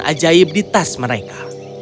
dan melihat ramon ajaib di tas mereka